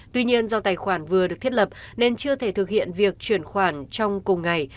tuy nhiên do tài khoản vừa được thiết lập nên chưa thể thực hiện việc chuyển khoản trong cùng ngày